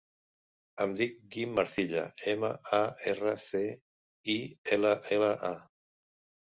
Em dic Guim Marcilla: ema, a, erra, ce, i, ela, ela, a.